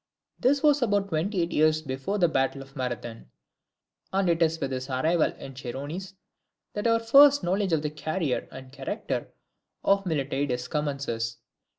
This was about twenty eight years before the battle of Marathon, and it is with his arrival in the Chersonese that our first knowledge of the career and character of Miltiades commences.